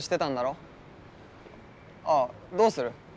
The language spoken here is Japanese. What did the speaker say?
ああどうする？